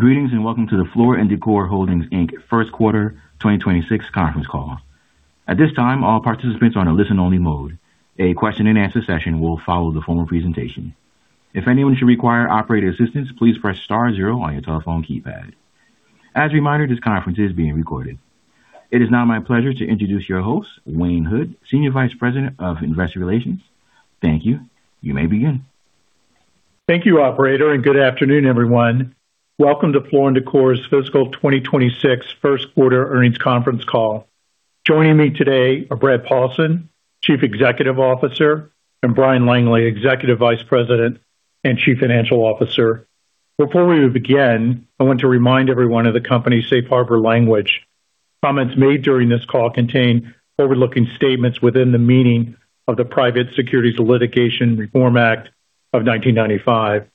Greetings and welcome to the Floor & Decor Holdings, Inc. First Quarter 2026 conference call. At this time, all participants are on a listen-only mode. A question-and-answer session will follow the formal presentation. If anyone should require operator assistance, please press star zero on your telephone keypad. As a reminder, this conference is being recorded. It is now my pleasure to introduce your host, Wayne Hood, Senior Vice President of Investor Relations. Thank you. You may begin. Thank you, operator, and good afternoon, everyone. Welcome to Floor & Decor's fiscal 2026 first quarter earnings conference call. Joining me today are Bradley Paulsen, Chief Executive Officer, and Bryan Langley, Executive Vice President and Chief Financial Officer. Before we begin, I want to remind everyone of the company's safe harbor language. Comments made during this call contain forward-looking statements within the meaning of the Private Securities Litigation Reform Act of 1995.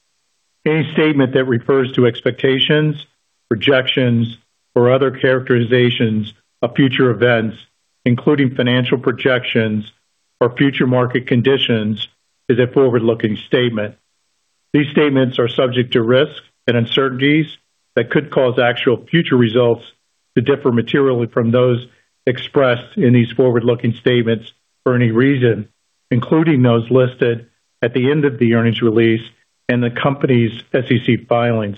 Any statement that refers to expectations, projections, or other characterizations of future events, including financial projections or future market conditions, is a forward-looking statement. These statements are subject to risks and uncertainties that could cause actual future results to differ materially from those expressed in these forward-looking statements for any reason, including those listed at the end of the earnings release and the company's SEC filings.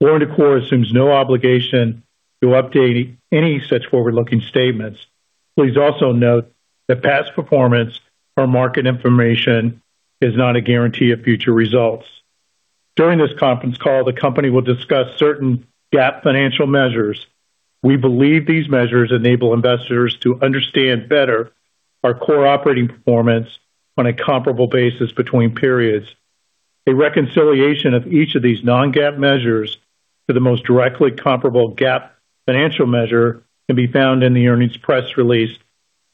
Floor & Decor assumes no obligation to update any such forward-looking statements. Please note that past performance or market information is not a guarantee of future results. During this conference call, the company will discuss certain GAAP financial measures. We believe these measures enable investors to understand better our core operating performance on a comparable basis between periods. A reconciliation of each of these non-GAAP measures to the most directly comparable GAAP financial measure can be found in the earnings press release,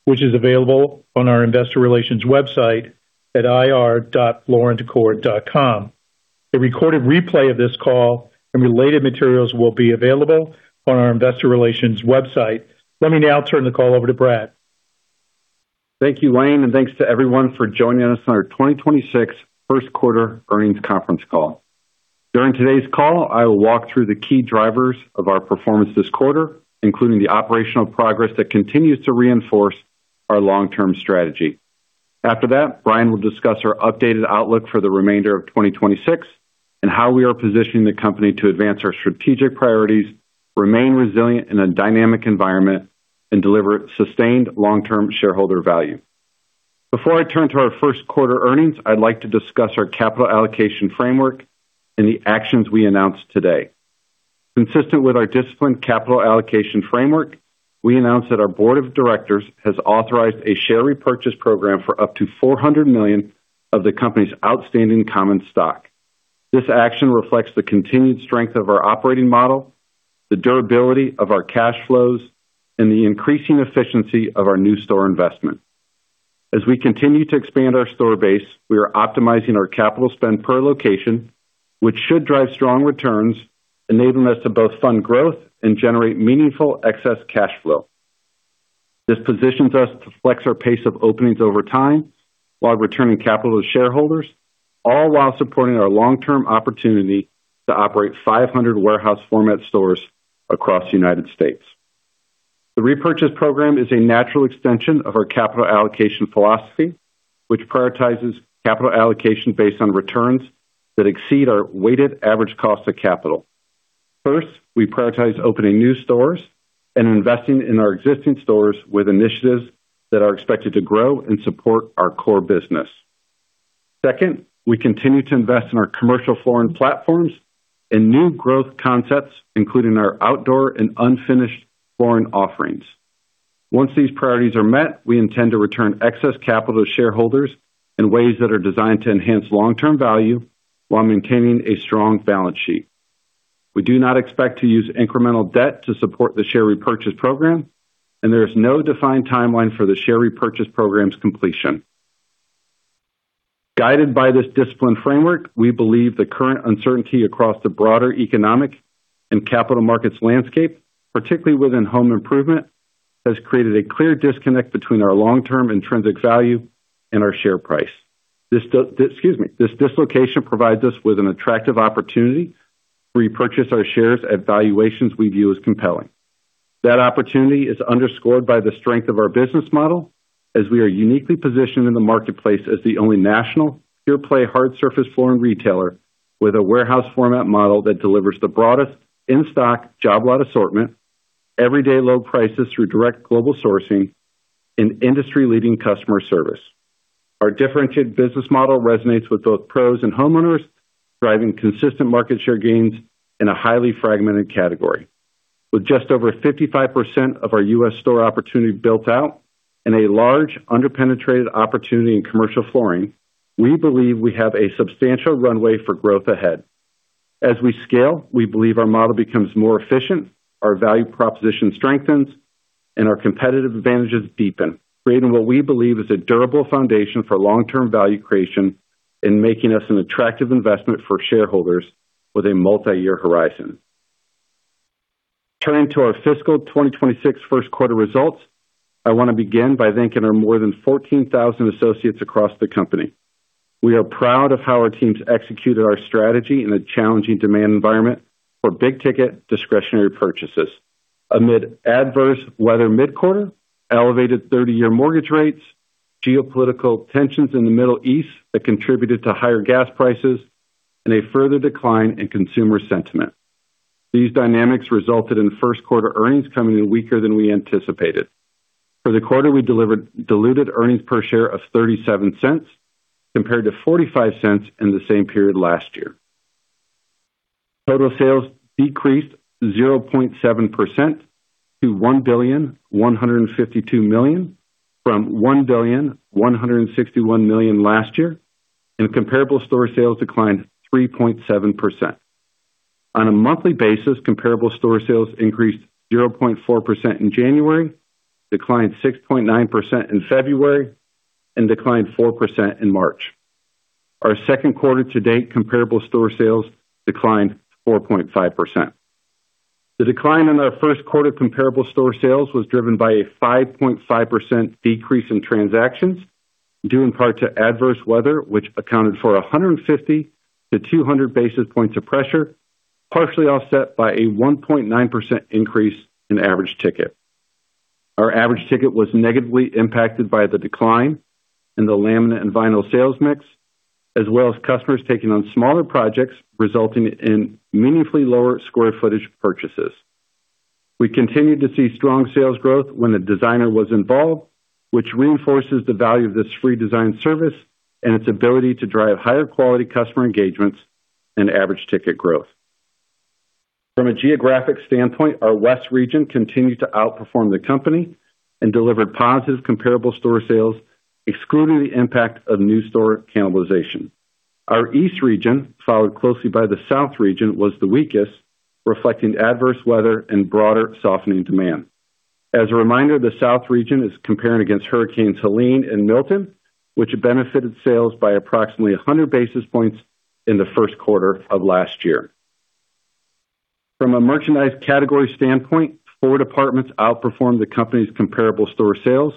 which is available on our investor relations website at ir.flooranddecor.com. A recorded replay of this call and related materials will be available on our investor relations website. Let me now turn the call over to Brad. Thank you, Wayne, and thanks to everyone for joining us on our 2026 first quarter earnings conference call. During today's call, I will walk through the key drivers of our performance this quarter, including the operational progress that continues to reinforce our long-term strategy. After that, Bryan Langley will discuss our updated outlook for the remainder of 2026 and how we are positioning the company to advance our strategic priorities, remain resilient in a dynamic environment, and deliver sustained long-term shareholder value. Before I turn to our first quarter earnings, I'd like to discuss our capital allocation framework and the actions we announced today. Consistent with our disciplined capital allocation framework, we announced that our board of directors has authorized a share repurchase program for up to $400 million of the company's outstanding common stock. This action reflects the continued strength of our operating model, the durability of our cash flows, and the increasing efficiency of our new store investment. As we continue to expand our store base, we are optimizing our capital spend per location, which should drive strong returns, enabling us to both fund growth and generate meaningful excess cash flow. This positions us to flex our pace of openings over time while returning capital to shareholders, all while supporting our long-term opportunity to operate 500 warehouse format stores across the United States. The repurchase program is a natural extension of our capital allocation philosophy, which prioritizes capital allocation based on returns that exceed our weighted average cost of capital. First, we prioritize opening new stores and investing in our existing stores with initiatives that are expected to grow and support our core business. We continue to invest in our commercial flooring platforms and new growth concepts, including our outdoor and unfinished flooring offerings. Once these priorities are met, we intend to return excess capital to shareholders in ways that are designed to enhance long-term value while maintaining a strong balance sheet. We do not expect to use incremental debt to support the share repurchase program, and there is no defined timeline for the share repurchase program's completion. Guided by this disciplined framework, we believe the current uncertainty across the broader economic and capital markets landscape, particularly within home improvement, has created a clear disconnect between our long-term intrinsic value and our share price. This dislocation provides us with an attractive opportunity to repurchase our shares at valuations we view as compelling. That opportunity is underscored by the strength of our business model, as we are uniquely positioned in the marketplace as the only national pure-play hard surface flooring retailer with a warehouse format model that delivers the broadest in-stock job lot assortment, everyday low prices through direct global sourcing, and industry-leading customer service. Our differentiated business model resonates with both pros and homeowners, driving consistent market share gains in a highly fragmented category. With just over 55% of our U.S. store opportunity built out and a large under-penetrated opportunity in commercial flooring, we believe we have a substantial runway for growth ahead. As we scale, we believe our model becomes more efficient, our value proposition strengthens, and our competitive advantages deepen, creating what we believe is a durable foundation for long-term value creation and making us an attractive investment for shareholders with a multi-year horizon. Turning to our fiscal 2026 first quarter results, I wanna begin by thanking our more than 14,000 associates across the company. We are proud of how our teams executed our strategy in a challenging demand environment for big-ticket discretionary purchases amid adverse weather mid-quarter, elevated 30-year mortgage rates, geopolitical tensions in the Middle East that contributed to higher gas prices, and a further decline in Consumer Sentiment. These dynamics resulted in first quarter earnings coming in weaker than we anticipated. For the quarter, we delivered diluted earnings per share of $0.37 compared to $0.45 in the same period last year. Total sales decreased 0.7% to $1,152,000,000 from $1,161,000,000 last year, and comparable store sales declined 3.7%. On a monthly basis, comparable store sales increased 0.4% in January, declined 6.9% in February, and declined 4% in March. Our second quarter to date comparable store sales declined 4.5%. The decline in our first quarter comparable store sales was driven by a 5.5% decrease in transactions, due in part to adverse weather, which accounted for 150-200 basis points of pressure, partially offset by a 1.9% increase in average ticket. Our average ticket was negatively impacted by the decline in the laminate and vinyl sales mix, as well as customers taking on smaller projects resulting in meaningfully lower square footage purchases. We continued to see strong sales growth when the designer was involved, which reinforces the value of this free design service and its ability to drive higher quality customer engagements and average ticket growth. From a geographic standpoint, our west region continued to outperform the company and delivered positive comparable store sales, excluding the impact of new store cannibalization. Our east region, followed closely by the south region, was the weakest, reflecting adverse weather and broader softening demand. As a reminder, the south region is comparing against Hurricane Helene and Milton, which benefited sales by approximately 100 basis points in the first quarter of last year. From a merchandise category standpoint, four departments outperformed the company's comparable store sales,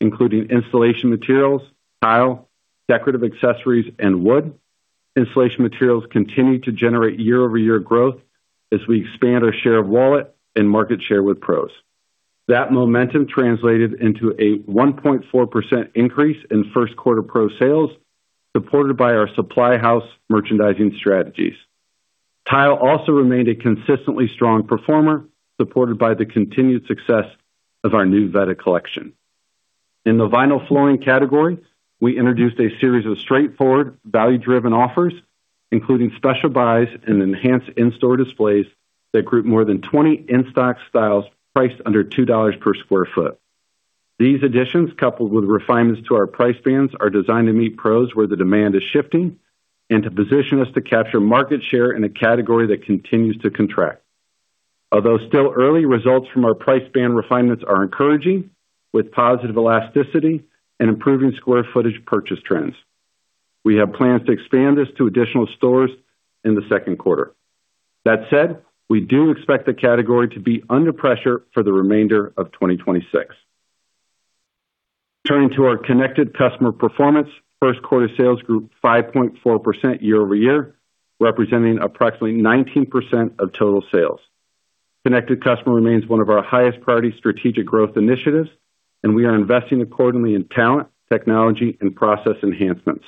including installation materials, tile, decorative accessories, and wood. Installation materials continued to generate year-over-year growth as we expand our share of wallet and market share with pros. That momentum translated into a 1.4% increase in first quarter pro sales, supported by our supply house merchandising strategies. Tile also remained a consistently strong performer, supported by the continued success of our new Vetta collection. In the vinyl flooring category, we introduced a series of straightforward, value-driven offers, including special buys and enhanced in-store displays that group more than 20 in-stock styles priced under $2 per square foot. These additions, coupled with refinements to our price bands, are designed to meet pros where the demand is shifting and to position us to capture market share in a category that continues to contract. Although still early, results from our price band refinements are encouraging, with positive elasticity and improving square footage purchase trends. We have plans to expand this to additional stores in the second quarter. That said, we do expect the category to be under pressure for the remainder of 2026. Turning to our connected customer performance, first quarter sales grew 5.4% year-over-year, representing approximately 19% of total sales. Connected customer remains one of our highest priority strategic growth initiatives, and we are investing accordingly in talent, technology, and process enhancements.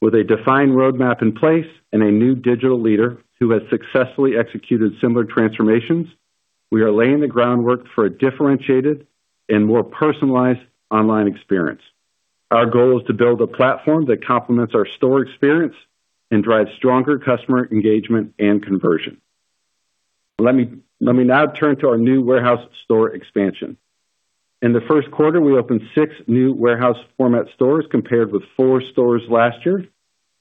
With a defined roadmap in place and a new digital leader who has successfully executed similar transformations, we are laying the groundwork for a differentiated and more personalized online experience. Our goal is to build a platform that complements our store experience and drives stronger customer engagement and conversion. Let me now turn to our new warehouse store expansion. In the first quarter, we opened six new warehouse format stores compared with four stores last year,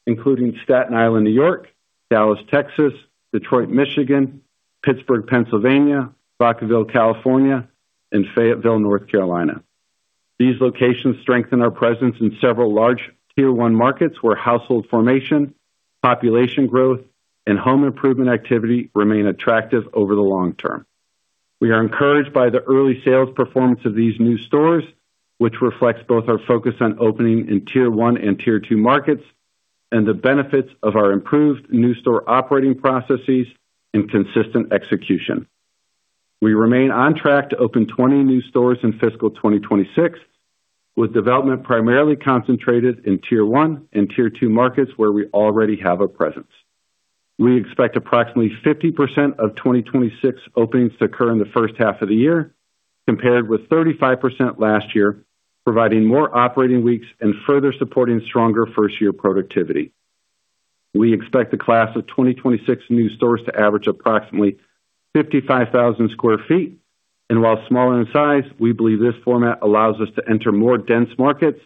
including Staten Island, New York, Dallas, Texas, Detroit, Michigan, Pittsburgh, Pennsylvania, Vacaville, California, and Fayetteville, North Carolina. These locations strengthen our presence in several large Tier I markets where household formation, population growth, and home improvement activity remain attractive over the long term. We are encouraged by the early sales performance of these new stores, which reflects both our focus on opening in Tier I and Tier II markets and the benefits of our improved new store operating processes and consistent execution. We remain on track to open 20 new stores in fiscal 2026, with development primarily concentrated in Tier I and Tier II markets where we already have a presence. We expect approximately 50% of 2026 openings to occur in the first half of the year, compared with 35% last year, providing more operating weeks and further supporting stronger first-year productivity. We expect the class of 2026 new stores to average approximately 55,000 square feet, and while smaller in size, we believe this format allows us to enter more dense markets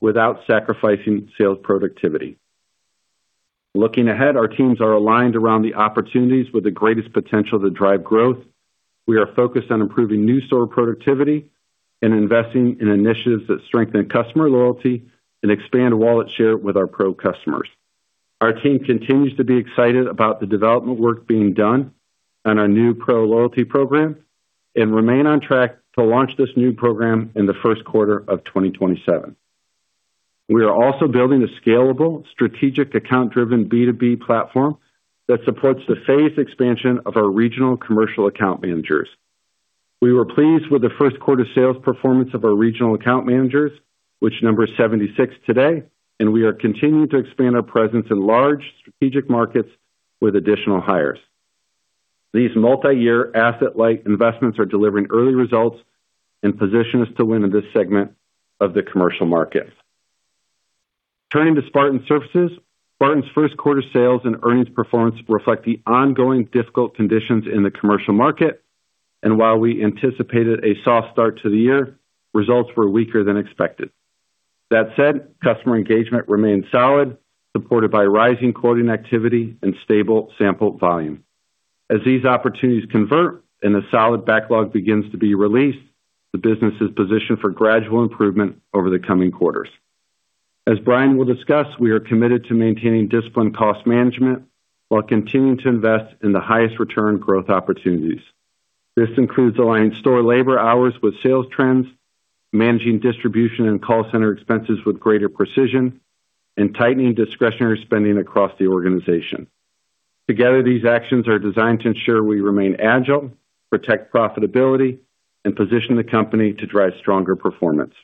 without sacrificing sales productivity. Looking ahead, our teams are aligned around the opportunities with the greatest potential to drive growth. We are focused on improving new store productivity and investing in initiatives that strengthen customer loyalty and expand wallet share with our pro customers. Our team continues to be excited about the development work being done on our new pro loyalty program and remain on track to launch this new program in the first quarter of 2027. We are also building a scalable strategic account-driven B2B platform that supports the phase expansion of our regional commercial account managers. We were pleased with the first quarter sales performance of our regional account managers, which number 76 today, and we are continuing to expand our presence in large strategic markets with additional hires. These multi-year asset-like investments are delivering early results and position us to win in this segment of the commercial market. Turning to Spartan Surfaces. Spartan's first quarter sales and earnings performance reflect the ongoing difficult conditions in the commercial market. While we anticipated a soft start to the year, results were weaker than expected. That said, customer engagement remained solid, supported by rising quoting activity and stable sample volume. As these opportunities convert and the solid backlog begins to be released, the business is positioned for gradual improvement over the coming quarters. As Bryan will discuss, we are committed to maintaining disciplined cost management while continuing to invest in the highest return growth opportunities. This includes aligning store labor hours with sales trends, managing distribution and call center expenses with greater precision, and tightening discretionary spending across the organization. Together, these actions are designed to ensure we remain agile, protect profitability, and position the company to drive stronger performance.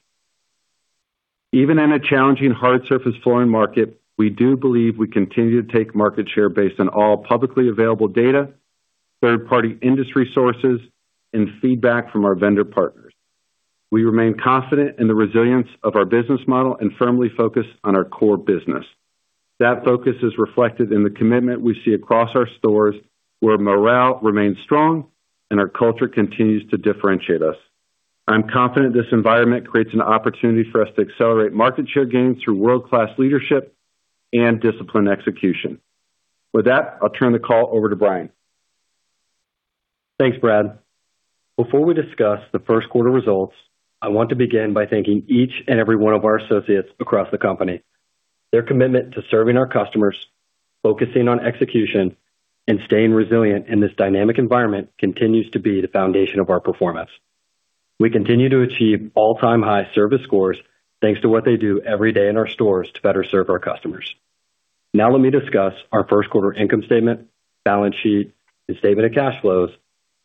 Even in a challenging hard surface flooring market, we do believe we continue to take market share based on all publicly available data, third-party industry sources, and feedback from our vendor partners. We remain confident in the resilience of our business model and firmly focused on our core business. That focus is reflected in the commitment we see across our stores, where morale remains strong and our culture continues to differentiate us. I'm confident this environment creates an opportunity for us to accelerate market share gains through world-class leadership and disciplined execution. With that, I'll turn the call over to Bryan. Thanks, Bradley. Before we discuss the first quarter results, I want to begin by thanking each and every one of our associates across the company. Their commitment to serving our customers, focusing on execution, and staying resilient in this dynamic environment continues to be the foundation of our performance. We continue to achieve all-time high service scores, thanks to what they do every day in our stores to better serve our customers. Let me discuss our first quarter income statement, balance sheet, and statement of cash flows,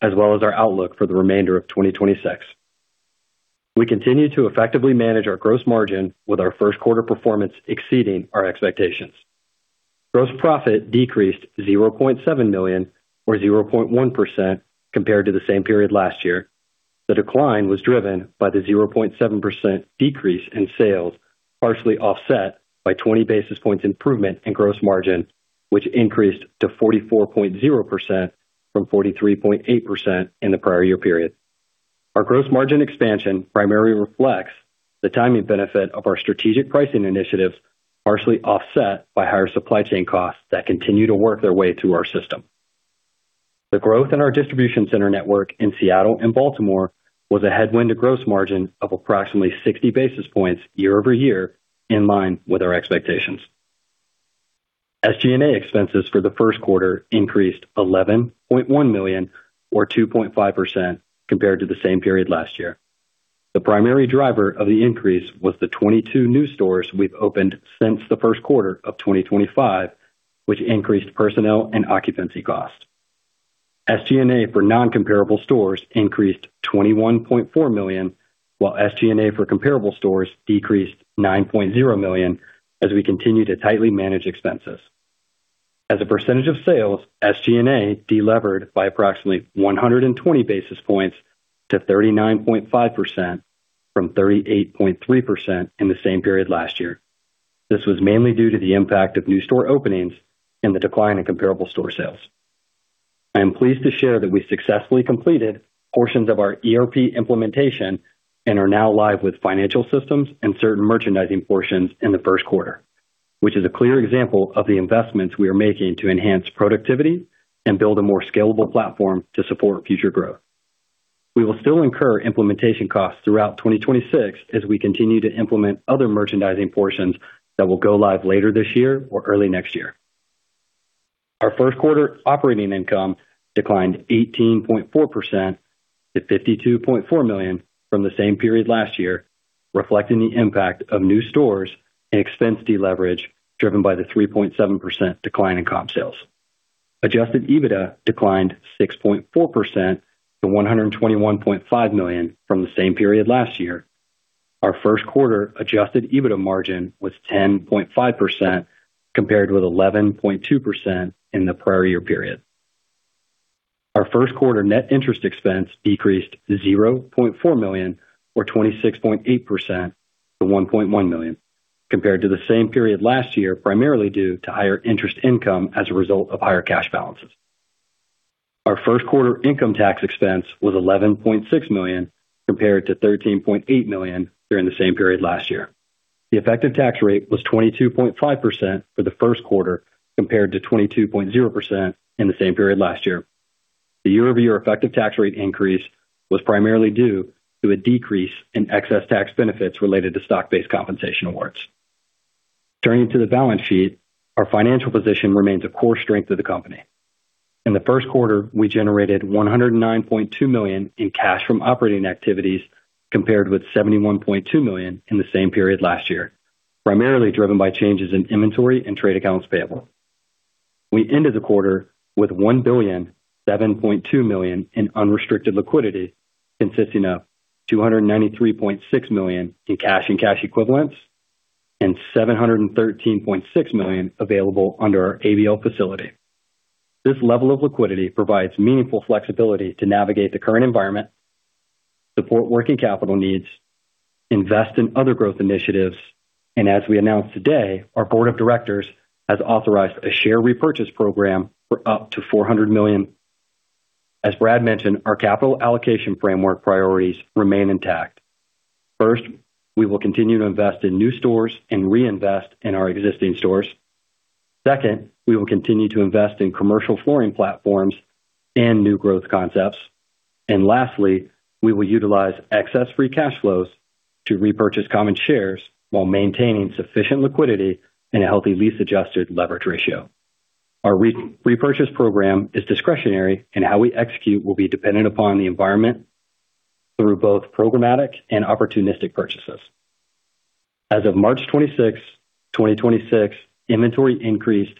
as well as our outlook for the remainder of 2026. We continue to effectively manage our gross margin, with our first quarter performance exceeding our expectations. Gross profit decreased $0.7 million or 0.1% compared to the same period last year. The decline was driven by the 0.7% decrease in sales, partially offset by 20 basis points improvement in gross margin, which increased to 44.0% from 43.8% in the prior year period. Our gross margin expansion primarily reflects the timing benefit of our strategic pricing initiatives, partially offset by higher supply chain costs that continue to work their way through our system. The growth in our distribution center network in Seattle and Baltimore was a headwind to gross margin of approximately 60 basis points year-over-year, in line with our expectations. SG&A expenses for the first quarter increased $11.1 million or 2.5% compared to the same period last year. The primary driver of the increase was the 22 new stores we've opened since the first quarter of 2025, which increased personnel and occupancy costs. SG&A for non-comparable stores increased $21.4 million, while SG&A for comparable stores decreased $9.0 million as we continue to tightly manage expenses. As a percentage of sales, SG&A delevered by approximately 120 basis points to 39.5% from 38.3% in the same period last year. This was mainly due to the impact of new store openings and the decline in comparable store sales. I am pleased to share that we successfully completed portions of our ERP implementation and are now live with financial systems and certain merchandising portions in the first quarter, which is a clear example of the investments we are making to enhance productivity and build a more scalable platform to support future growth. We will still incur implementation costs throughout 2026 as we continue to implement other merchandising portions that will go live later this year or early next year. Our first quarter operating income declined 18.4% to $52.4 million from the same period last year, reflecting the impact of new stores and expense deleverage driven by the 3.7% decline in comp sales. Adjusted EBITDA declined 6.4% to $121.5 million from the same period last year. Our first quarter Adjusted EBITDA margin was 10.5%, compared with 11.2% in the prior year period. Our first quarter net interest expense decreased $0.4 million or 26.8% to $1.1 million compared to the same period last year, primarily due to higher interest income as a result of higher cash balances. Our first quarter income tax expense was $11.6 million, compared to $13.8 million during the same period last year. The effective tax rate was 22.5% for the first quarter, compared to 22.0% in the same period last year. The year-over-year effective tax rate increase was primarily due to a decrease in excess tax benefits related to stock-based compensation awards. Turning to the balance sheet, our financial position remains a core strength of the company. In the first quarter, we generated $109.2 million in cash from operating activities, compared with $71.2 million in the same period last year, primarily driven by changes in inventory and trade accounts payable. We ended the quarter with $1,007,200,000 in unrestricted liquidity, consisting of $293.6 million in cash and cash equivalents, and $713.6 million available under our ABL facility. This level of liquidity provides meaningful flexibility to navigate the current environment, support working capital needs, invest in other growth initiatives, and as we announced today, our board of directors has authorized a share repurchase program for up to $400 million. As Brad mentioned, our capital allocation framework priorities remain intact. First, we will continue to invest in new stores and reinvest in our existing stores. Second, we will continue to invest in commercial flooring platforms and new growth concepts. Lastly, we will utilize excess free cash flows to repurchase common shares while maintaining sufficient liquidity and a healthy lease-adjusted leverage ratio. Our repurchase program is discretionary, and how we execute will be dependent upon the environment through both programmatic and opportunistic purchases. As of March 26th, 2026, inventory increased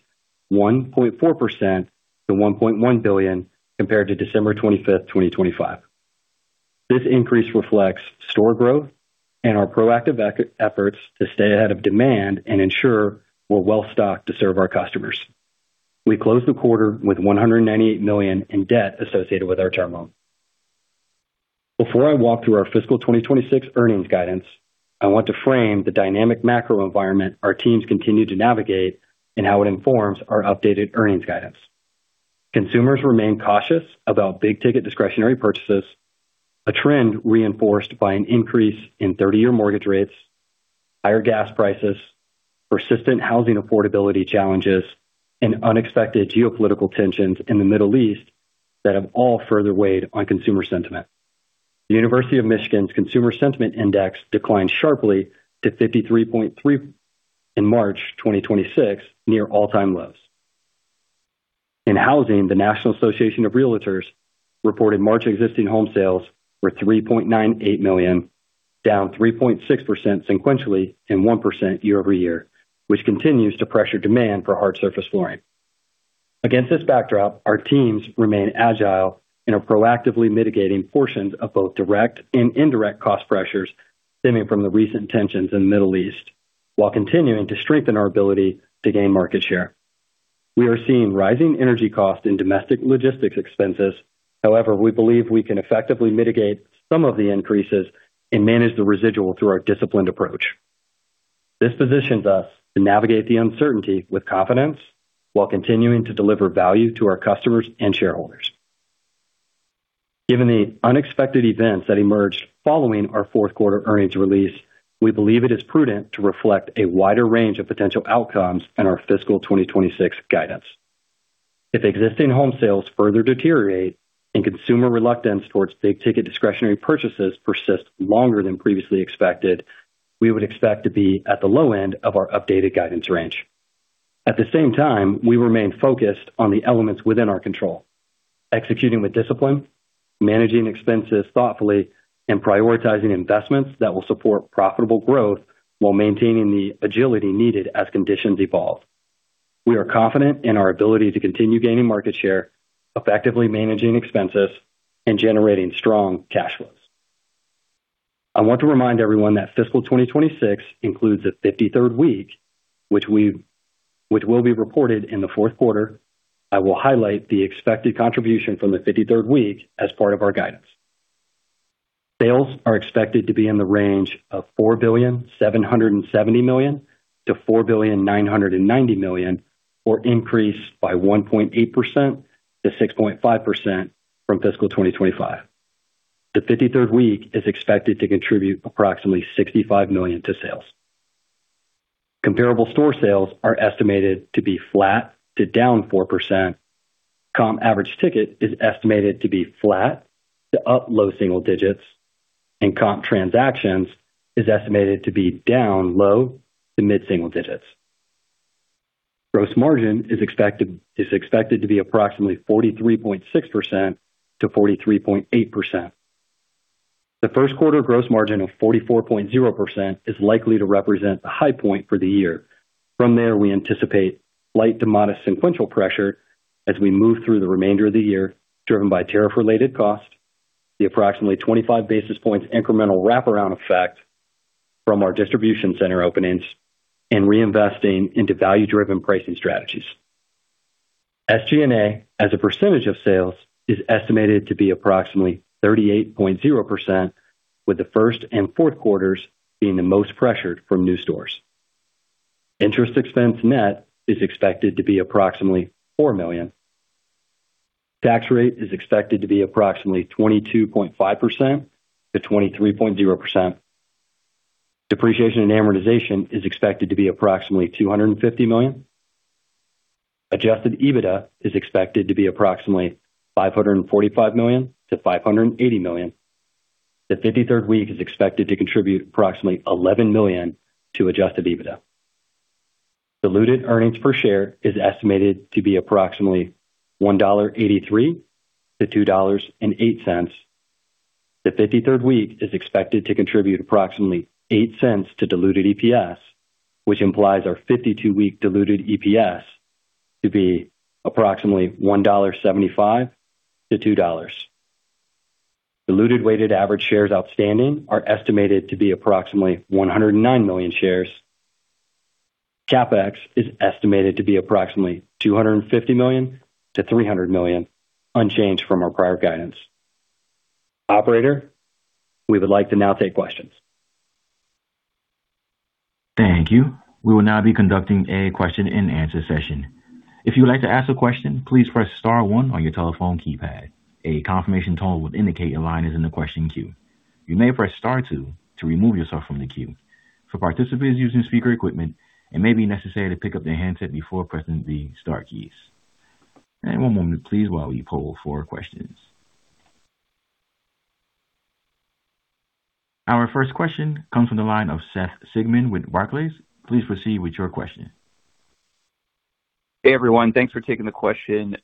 1.4% to $1.1 billion compared to December 25th, 2025. This increase reflects store growth and our proactive efforts to stay ahead of demand and ensure we're well-stocked to serve our customers. We closed the quarter with $198 million in debt associated with our term loan. Before I walk through our fiscal 2026 earnings guidance, I want to frame the dynamic macro environment our teams continue to navigate and how it informs our updated earnings guidance. Consumers remain cautious about big-ticket discretionary purchases, a trend reinforced by an increase in 30-year mortgage rates, higher gas prices, persistent housing affordability challenges, and unexpected geopolitical tensions in the Middle East that have all further weighed on consumer sentiment. The University of Michigan's Consumer Sentiment Index declined sharply to 53.3% in March 2026, near all-time lows. In housing, the National Association of Realtors reported March existing home sales were $3.98 million, down 3.6% sequentially and 1% year-over-year, which continues to pressure demand for hard surface flooring. Against this backdrop, our teams remain agile and are proactively mitigating portions of both direct and indirect cost pressures stemming from the recent tensions in the Middle East while continuing to strengthen our ability to gain market share. We are seeing rising energy costs and domestic logistics expenses. However, we believe we can effectively mitigate some of the increases and manage the residual through our disciplined approach. This positions us to navigate the uncertainty with confidence while continuing to deliver value to our customers and shareholders. Given the unexpected events that emerged following our fourth quarter earnings release, we believe it is prudent to reflect a wider range of potential outcomes in our fiscal 2026 guidance. If existing home sales further deteriorate and consumer reluctance towards big-ticket discretionary purchases persist longer than previously expected, we would expect to be at the low end of our updated guidance range. At the same time, we remain focused on the elements within our control, executing with discipline, managing expenses thoughtfully, and prioritizing investments that will support profitable growth while maintaining the agility needed as conditions evolve. We are confident in our ability to continue gaining market share, effectively managing expenses, and generating strong cash flows. I want to remind everyone that fiscal 2026 includes a 53rd week, which will be reported in the fourth quarter. I will highlight the expected contribution from the 53rd week as part of our guidance. Sales are expected to be in the range of $4,770,000,000-$4,990,000,000, or increase by 1.8%-6.5% from fiscal 2025. The 53rd week is expected to contribute approximately $65 million to sales. Comparable store sales are estimated to be flat to down 4%. Comp average ticket is estimated to be flat to up low single digits, and comp transactions is estimated to be down low to mid-single digits. Gross margin is expected to be approximately 43.6%-43.8%. The first quarter gross margin of 44.0% is likely to represent the high point for the year. From there, we anticipate slight to modest sequential pressure as we move through the remainder of the year, driven by tariff-related costs, the approximately 25 basis points incremental wraparound effect from our distribution center openings, and reinvesting into value-driven pricing strategies. SG&A, as a percentage of sales, is estimated to be approximately 38.0%, with the first and fourth quarters being the most pressured from new stores. Interest expense net is expected to be approximately $4 million. Tax rate is expected to be approximately 22.5%-23.0%. Depreciation and amortization is expected to be approximately $250 million. Adjusted EBITDA is expected to be approximately $545 million-$580 million. The 53rd week is expected to contribute approximately $11 million to Adjusted EBITDA. Diluted earnings per share is estimated to be approximately $1.83-$2.08. The 53rd week is expected to contribute approximately $0.08 to diluted EPS, which implies our 52-week diluted EPS to be approximately $1.75-$2.00. Diluted weighted average shares outstanding are estimated to be approximately 109 million shares. CapEx is estimated to be approximately $250 million-$300 million, unchanged from our prior guidance. Operator, we would like to now take questions. Our first question comes from the line of Seth Sigman with Barclays. Please proceed with your question. Hey, everyone. Thanks for taking the question.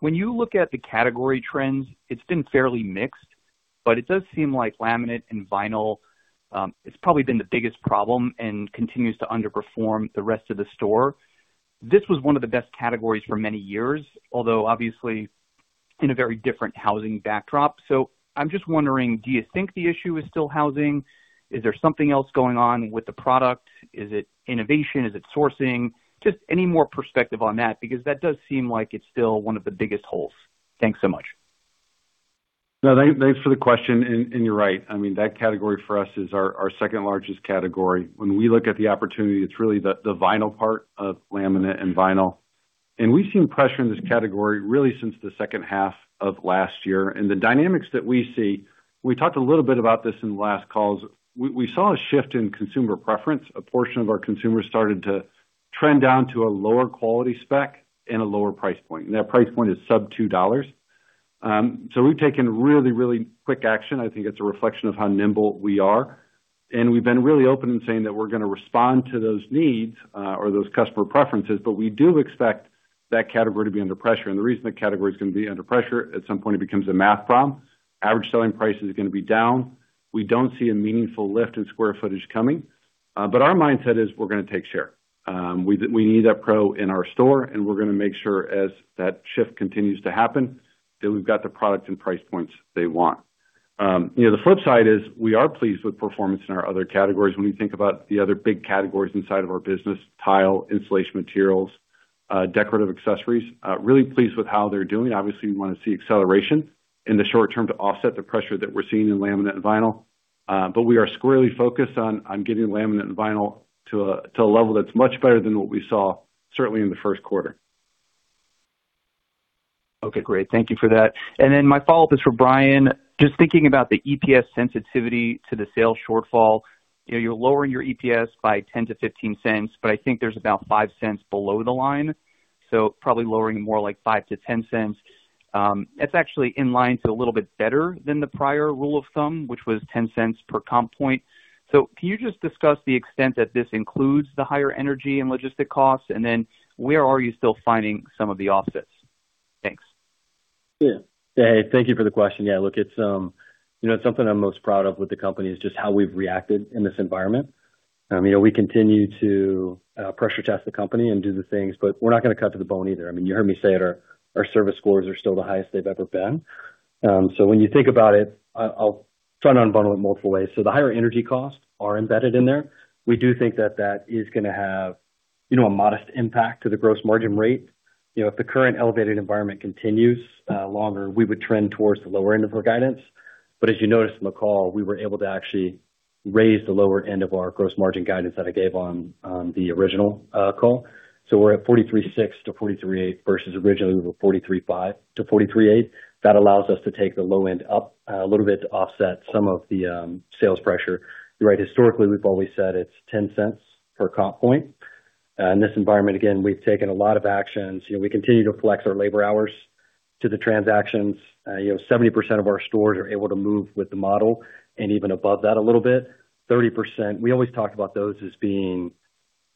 When you look at the category trends, it's been fairly mixed, but it does seem like laminate and vinyl, it's probably been the biggest problem and continues to underperform the rest of the store. This was one of the best categories for many years, although obviously in a very different housing backdrop. I'm just wondering, do you think the issue is still housing? Is there something else going on with the product? Is it innovation? Is it sourcing? Just any more perspective on that, because that does seem like it's still one of the biggest holes. Thanks so much. No, thanks for the question. You're right. I mean, that category for us is our second-largest category. When we look at the opportunity, it's really the vinyl part of laminate and vinyl. We've seen pressure in this category really since the second half of last year. The dynamics that we see, we talked a little bit about this in the last calls. We saw a shift in consumer preference. A portion of our consumers started to trend down to a lower quality spec and a lower price point, and that price point is sub $2. We've taken really quick action. I think it's a reflection of how nimble we are. We've been really open in saying that we're gonna respond to those needs, or those customer preferences, but we do expect that category to be under pressure. The reason that category is gonna be under pressure, at some point it becomes a math problem. Average selling price is gonna be down. We don't see a meaningful lift in square footage coming. Our mindset is we're gonna take share. We need that pro in our store, and we're gonna make sure as that shift continues to happen, that we've got the product and price points they want. You know, the flip side is we are pleased with performance in our other categories. When we think about the other big categories inside of our business, tile, installation materials, decorative accessories, really pleased with how they're doing. Obviously, we wanna see acceleration in the short term to offset the pressure that we're seeing in laminate and vinyl. We are squarely focused on getting laminate and vinyl to a level that's much better than what we saw certainly in the first quarter. Okay, great. Thank you for that. My follow-up is for Bryan. Just thinking about the EPS sensitivity to the sales shortfall. You know, you're lowering your EPS by $0.10-$0.15, but I think there's about $0.05 below the line, so probably lowering more like $0.05-$0.10. That's actually in line to a little bit better than the prior rule of thumb, which was $0.10 per comp point. Can you just discuss the extent that this includes the higher energy and logistic costs? Where are you still finding some of the offsets? Thanks. Hey, thank you for the question. Look, it's, you know, something I'm most proud of with the company is just how we've reacted in this environment. You know, we continue to pressure test the company and do the things, we're not gonna cut to the bone either. I mean, you heard me say it, our service scores are still the highest they've ever been. When you think about it, I'll try to unbundle it multiple ways. The higher energy costs are embedded in there. We do think that that is gonna have, you know, a modest impact to the gross margin rate. You know, if the current elevated environment continues longer, we would trend towards the lower end of our guidance. As you noticed from the call, we were able to actually raise the lower end of our gross margin guidance that I gave on the original call. We're at 43.6%-43.8% versus originally we were 43.5%-43.8%. That allows us to take the low end up a little bit to offset some of the sales pressure. You're right. Historically, we've always said it's $0.10 per comp point. In this environment, again, we've taken a lot of actions. You know, we continue to flex our labor hours to the transactions. You know, 70% of our stores are able to move with the model and even above that a little bit. 30%. We always talk about those as being,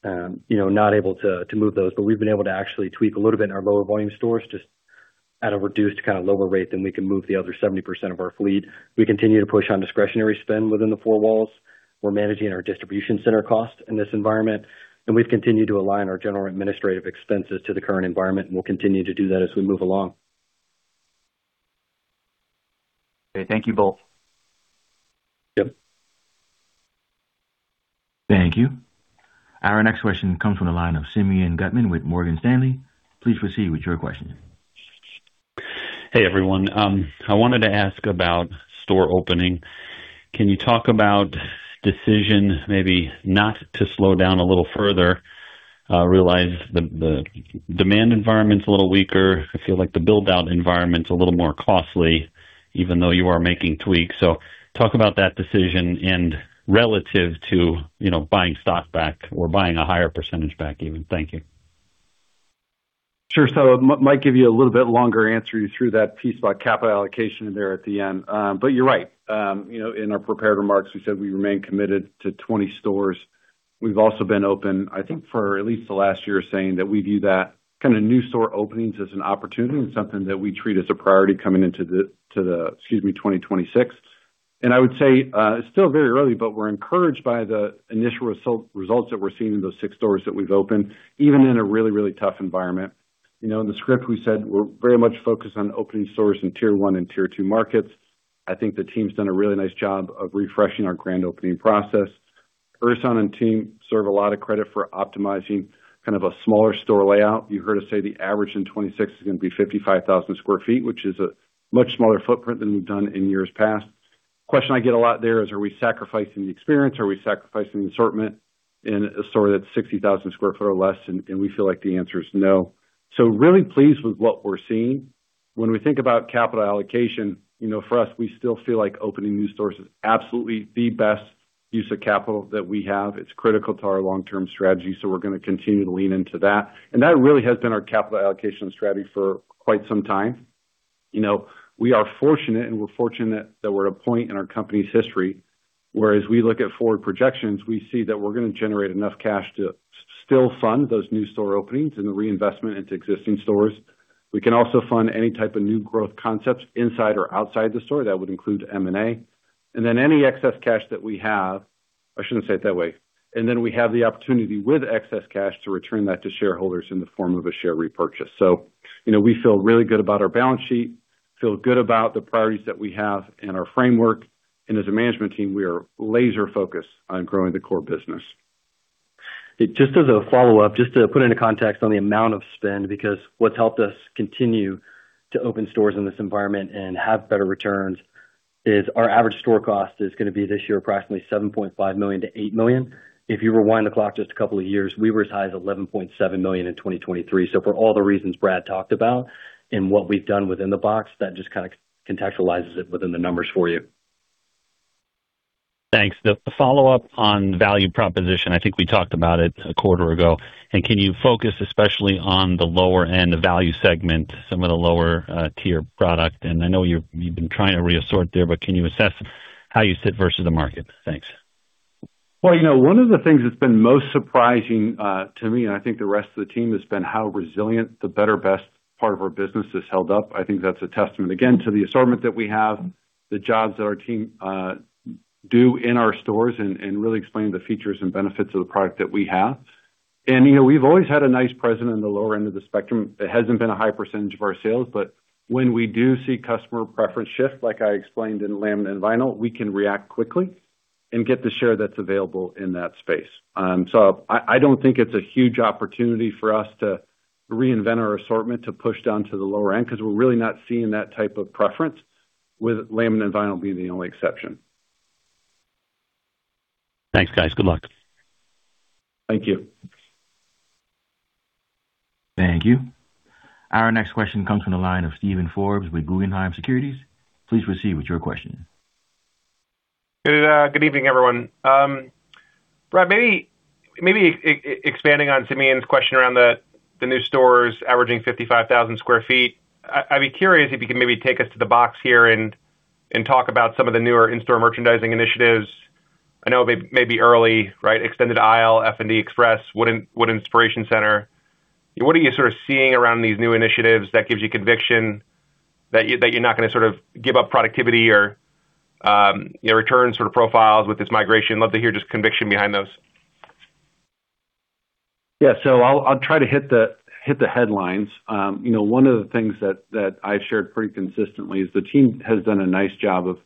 you know, not able to move those, but we've been able to actually tweak a little bit in our lower volume stores just at a reduced kind of lower rate than we can move the other 70% of our fleet. We continue to push on discretionary spend within the four walls. We're managing our distribution center cost in this environment. We've continued to align our general administrative expenses to the current environment, and we'll continue to do that as we move along. Okay. Thank you both. Yep. Thank you. Our next question comes from the line of Simeon Gutman with Morgan Stanley. Please proceed with your question. Hey, everyone. I wanted to ask about store opening. Can you talk about decision maybe not to slow down a little further, realizing the demand environment's a little weaker? I feel like the build-out environment's a little more costly, even though you are making tweaks. Talk about that decision and relative to, you know, buying stock back or buying a higher percentage back even. Thank you. Sure. might give you a little bit longer answer you through that piece about capital allocation there at the end. You're right. You know, in our prepared remarks, we said we remain committed to 20 stores. We've also been open, I think, for at least the last year, saying that we view that kind of new store openings as an opportunity and something that we treat as a priority coming into 2026. I would say, it's still very early, but we're encouraged by the initial results that we're seeing in those 6 stores that we've opened, even in a really, really tough environment. You know, in the script, we said we're very much focused on opening stores in Tier I and Tier II markets. I think the team's done a really nice job of refreshing our grand opening process. Ersan and team deserve a lot of credit for optimizing kind of a smaller store layout. You heard us say the average in 2026 is gonna be 55,000 square feet, which is a much smaller footprint than we've done in years past. Question I get a lot there is, are we sacrificing the experience? Are we sacrificing the assortment in a store that's 60,000 square feet or less? We feel like the answer is no. Really pleased with what we're seeing. When we think about capital allocation, you know, for us, we still feel like opening new stores is absolutely the best use of capital that we have. It's critical to our long-term strategy, so we're gonna continue to lean into that. That really has been our capital allocation strategy for quite some time. You know, we are fortunate, and we're fortunate that we're at a point in our company's history where as we look at forward projections, we see that we're gonna generate enough cash to still fund those new store openings and the reinvestment into existing stores. We can also fund any type of new growth concepts inside or outside the store. That would include M&A. We have the opportunity with excess cash to return that to shareholders in the form of a share repurchase. You know, we feel really good about our balance sheet, feel good about the priorities that we have and our framework, and as a management team, we are laser-focused on growing the core business. Just as a follow-up, just to put into context on the amount of spend, because what's helped us continue to open stores in this environment and have better returns is our average store cost is gonna be this year approximately $7.5 million-$8 million. If you rewind the clock just a couple of years, we were as high as $11.7 million in 2023. For all the reasons Brad talked about and what we've done within the box, that just kinda contextualizes it within the numbers for you. Thanks. The follow-up on value proposition, I think we talked about it a quarter ago. Can you focus especially on the lower end, the value segment, some of the lower tier product? I know you've been trying to reassert there, but can you assess how you sit versus the market? Thanks. Well, you know, one of the things that's been most surprising to me, and I think the rest of the team, has been how resilient the better best part of our business has held up. I think that's a testament, again, to the assortment that we have, the jobs that our team do in our stores and really explaining the features and benefits of the product that we have. You know, we've always had a nice presence in the lower end of the spectrum. It hasn't been a high percentage of our sales, but when we do see customer preference shift, like I explained in laminate and vinyl, we can react quickly and get the share that's available in that space. I don't think it's a huge opportunity for us to reinvent our assortment to push down to the lower end 'cause we're really not seeing that type of preference, with laminate and vinyl being the only exception. Thanks, guys. Good luck. Thank you. Thank you. Our next question comes from the line of Steven Forbes with Guggenheim Securities. Please proceed with your question. Good evening, everyone. Brad, maybe expanding on Simeon's question around the new stores averaging 55,000 square feet. I'd be curious if you could maybe take us to the box here and talk about some of the newer in-store merchandising initiatives. I know it may be early, right? Extended aisle, F&E Express, Wood Inspiration Center. What are you sort of seeing around these new initiatives that gives you conviction that you're not gonna sort of give up productivity or, you know, return sort of profiles with this migration? Love to hear just conviction behind those. Yeah. I'll try to hit the headlines. You know, one of the things that I shared pretty consistently is the team has done a nice job of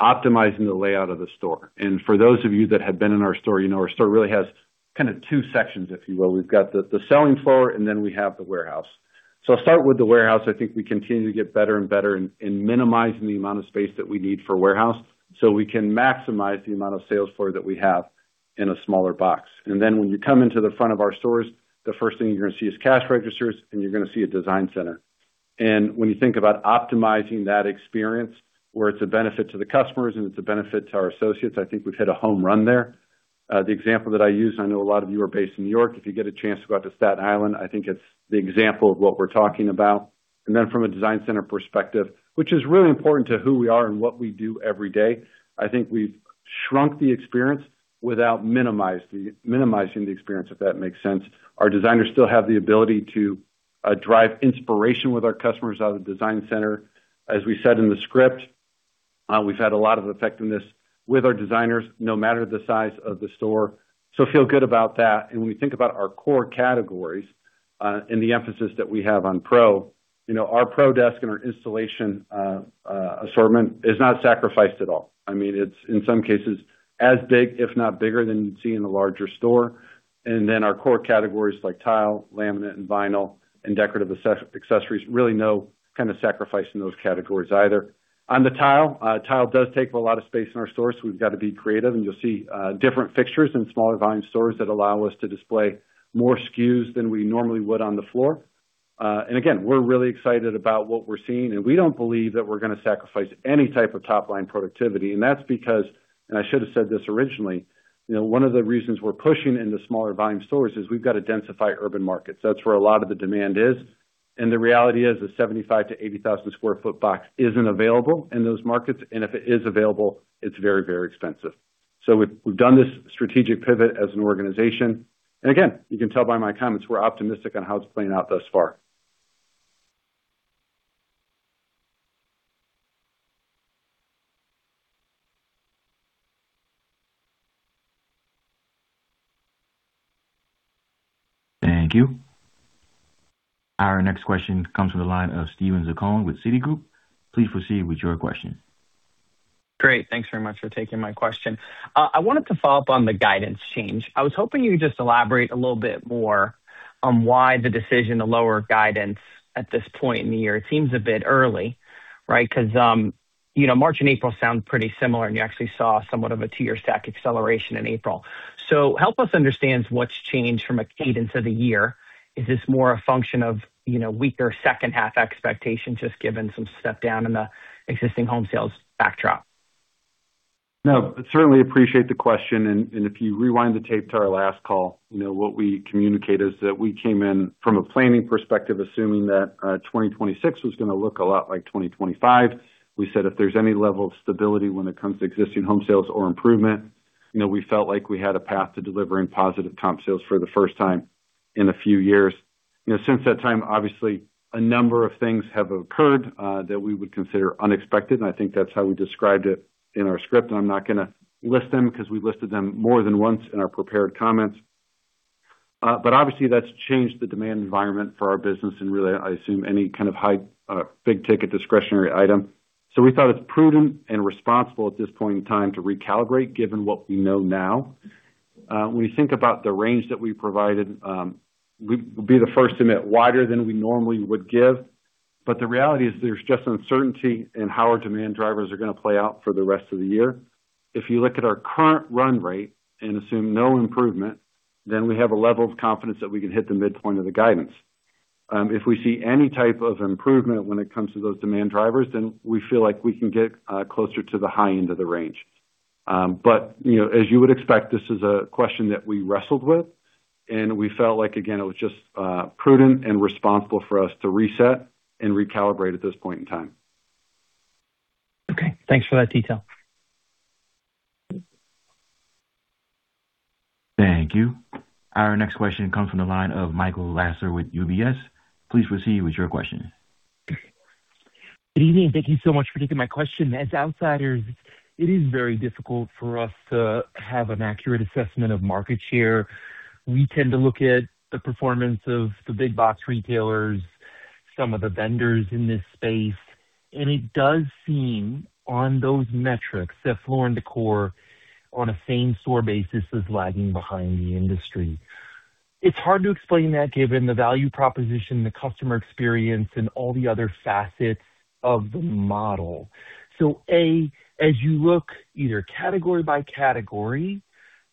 optimizing the layout of the store. For those of you that have been in our store, you know our store really has kind of two sections, if you will. We've got the selling floor, and then we have the warehouse. I'll start with the warehouse. I think we continue to get better and better in minimizing the amount of space that we need for warehouse so we can maximize the amount of sales floor that we have in a smaller box. When you come into the front of our stores, the first thing you're gonna see is cash registers, and you're gonna see a design center. When you think about optimizing that experience where it's a benefit to the customers and it's a benefit to our associates, I think we've hit a home run there. The example that I use, I know a lot of you are based in New York. If you get a chance to go out to Staten Island, I think it's the example of what we're talking about. From a design center perspective, which is really important to who we are and what we do every day, I think we've shrunk the experience without minimizing the experience, if that makes sense. Our designers still have the ability to drive inspiration with our customers out of the design center. As we said in the script, we've had a lot of effectiveness with our designers no matter the size of the store, so feel good about that. When we think about our core categories, and the emphasis that we have on pro, you know, our pro desk and our installation, assortment is not sacrificed at all. I mean, it's in some cases as big, if not bigger, than you'd see in a larger store. Then our core categories like tile, laminate and vinyl, and decorative accessories, really no kind of sacrifice in those categories either. On the tile does take up a lot of space in our stores. We've got to be creative. You'll see different fixtures in smaller volume stores that allow us to display more SKUs than we normally would on the floor. Again, we're really excited about what we're seeing, and we don't believe that we're gonna sacrifice any type of top-line productivity. That's because, and I should have said this originally, you know, one of the reasons we're pushing into smaller volume stores is we've got to densify urban markets. That's where a lot of the demand is. The reality is a 75,000-80,000 square foot box isn't available in those markets, and if it is available, it's very, very expensive. We've done this strategic pivot as an organization. Again, you can tell by my comments, we're optimistic on how it's playing out thus far. Thank you. Our next question comes from the line of Steven Zaccone with Citigroup. Please proceed with your question. Great. Thanks very much for taking my question. I wanted to follow up on the guidance change. I was hoping you could just elaborate a little bit more on why the decision to lower guidance at this point in the year. It seems a bit early, right? 'Cause, you know, March and April sound pretty similar, and you actually saw somewhat of a two-year stack acceleration in April. Help us understand what's changed from a cadence of the year. Is this more a function of, you know, weaker second half expectations, just given some step down in the existing home sales backdrop? No, certainly appreciate the question. If you rewind the tape to our last call, you know, what we communicate is that we came in from a planning perspective, assuming that 2026 was gonna look a lot like 2025. We said, if there's any level of stability when it comes to existing home sales or improvement, you know, we felt like we had a path to delivering positive comp sales for the first time in a few years. You know, since that time, obviously a number of things have occurred that we would consider unexpected, and I think that's how we described it in our script. I'm not gonna list them 'cause we listed them more than once in our prepared comments. Obviously, that's changed the demand environment for our business and really, I assume, any kind of high, big-ticket discretionary item. We thought it's prudent and responsible at this point in time to recalibrate, given what we know now. When we think about the range that we provided, we'd be the first to admit, wider than we normally would give. The reality is there's just uncertainty in how our demand drivers are gonna play out for the rest of the year. If you look at our current run rate and assume no improvement, we have a level of confidence that we can hit the midpoint of the guidance. If we see any type of improvement when it comes to those demand drivers, we feel like we can get closer to the high end of the range. You know, as you would expect, this is a question that we wrestled with, and we felt like, again, it was just prudent and responsible for us to reset and recalibrate at this point in time. Okay, thanks for that detail. Thank you. Our next question comes from the line of Michael Lasser with UBS. Please proceed with your question. Good evening. Thank you so much for taking my question. As outsiders, it is very difficult for us to have an accurate assessment of market share. We tend to look at the performance of the big box retailers, some of the vendors in this space, and it does seem on those metrics that Floor & Decor on a same store basis is lagging behind the industry. It is hard to explain that given the value proposition, the customer experience, and all the other facets of the model. A, as you look either category by category,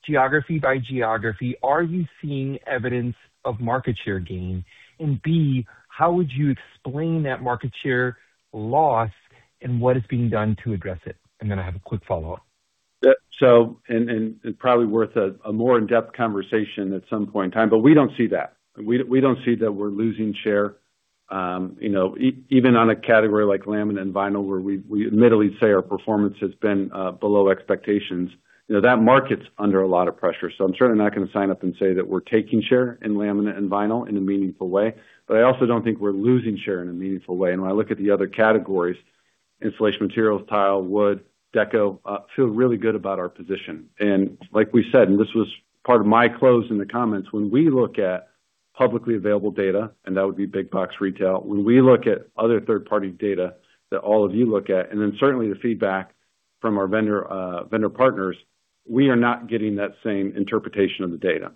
geography by geography, are you seeing evidence of market share gain? B, how would you explain that market share loss and what is being done to address it? I have a quick follow-up. It's probably worth a more in-depth conversation at some point in time, but we don't see that. We don't see that we're losing share. You know, even on a category like laminate and vinyl, where we admittedly say our performance has been below expectations. You know, that market's under a lot of pressure. I'm certainly not gonna sign up and say that we're taking share in laminate and vinyl in a meaningful way. I also don't think we're losing share in a meaningful way. When I look at the other categories, installation materials, tile, wood, deco, feel really good about our position. Like we said, and this was part of my close in the comments, when we look at publicly available data, and that would be big box retail, when we look at other third-party data that all of you look at, and then certainly the feedback from our vendor partners, we are not getting that same interpretation of the data.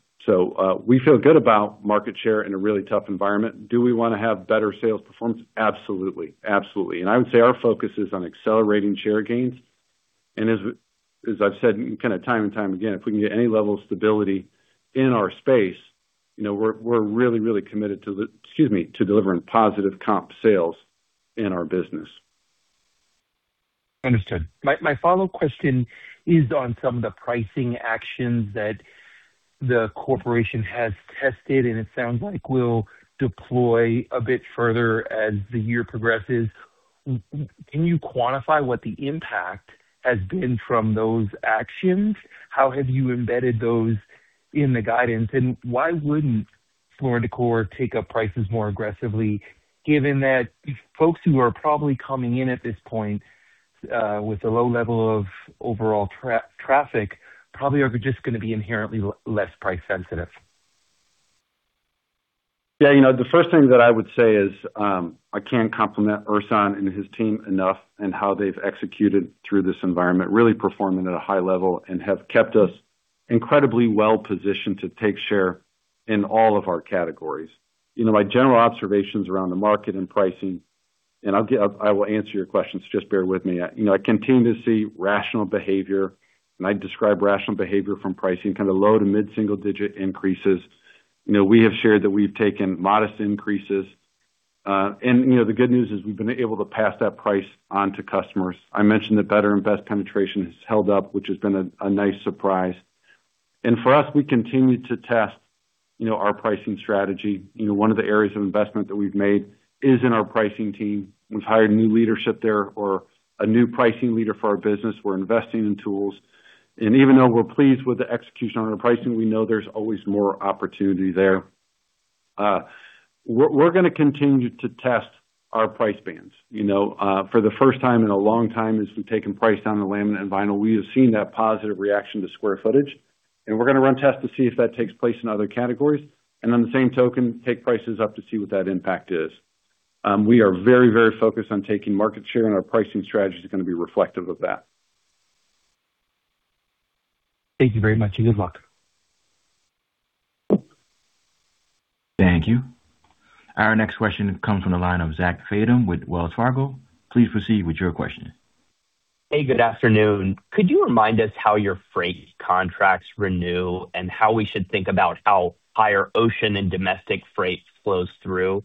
We feel good about market share in a really tough environment. Do we wanna have better sales performance? Absolutely. Absolutely. I would say our focus is on accelerating share gains. As I've said kinda time and time again, if we can get any level of stability in our space, you know, we're really, really committed to delivering positive comp sales in our business. Understood. My follow-up question is on some of the pricing actions that the corporation has tested, and it sounds like we'll deploy a bit further as the year progresses. Can you quantify what the impact has been from those actions? How have you embedded those in the guidance? Why wouldn't Floor & Decor take up prices more aggressively, given that folks who are probably coming in at this point, with a low level of overall traffic probably are just gonna be inherently less price sensitive? Yeah, you know, the first thing that I would say is, I can't compliment Ersan and his team enough in how they've executed through this environment, really performing at a high level and have kept us incredibly well positioned to take share in all of our categories. You know, my general observations around the market and pricing. I will answer your questions, just bear with me. You know, I continue to see rational behavior, and I describe rational behavior from pricing kind of low to mid-single digit increases. You know, we have shared that we've taken modest increases. You know, the good news is we've been able to pass that price on to customers. I mentioned that better and best penetration has held up, which has been a nice surprise. For us, we continue to test, you know, our pricing strategy. You know, one of the areas of investment that we've made is in our pricing team. We've hired new leadership there or a new pricing leader for our business. We're investing in tools. Even though we're pleased with the execution on our pricing, we know there's always more opportunity there. We're gonna continue to test our price bands. You know, for the first time in a long time, as we've taken price down to laminate and vinyl, we have seen that positive reaction to square footage. We're gonna run tests to see if that takes place in other categories. On the same token, take prices up to see what that impact is. We are very, very focused on taking market share, and our pricing strategy is gonna be reflective of that. Thank you very much, and good luck. Thank you. Our next question comes from the line of Zachary Fadem with Wells Fargo. Please proceed with your question. Hey, good afternoon. Could you remind us how your freight contracts renew and how we should think about how higher ocean and domestic freight flows through?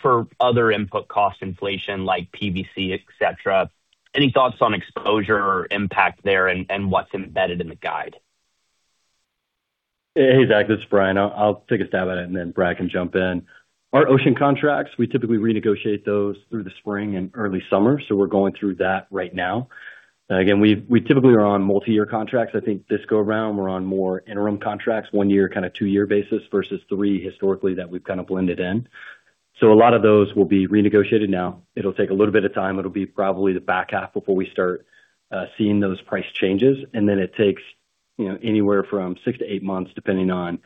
For other input cost inflation like PVC, et cetera, any thoughts on exposure or impact there and what's embedded in the guide? Hey, Zach, this is Bryan. I'll take a stab at it and then Brad can jump in. Our ocean contracts, we typically renegotiate those through the spring and early summer. We're going through that right now. Again, we typically are on multiyear contracts. I think this go around, we're on more interim contracts, one year kind of two-year basis versus three historically that we've kind of blended in. A lot of those will be renegotiated now. It'll take a little bit of time. It'll be probably the back half before we start seeing those price changes. Then it takes, you know, anywhere from six to eight months, depending on,